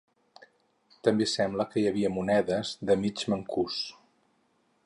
També sembla que hi havia monedes de mig mancús.